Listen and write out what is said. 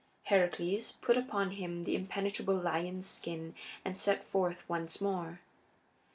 Heracles put upon him the impenetrable lion's skin and set forth once more.